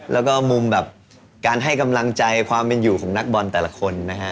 แล้วก็มุมแบบการให้กำลังใจความเป็นอยู่ของนักบอลแต่ละคนนะฮะ